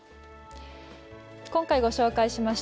今回ご紹介しました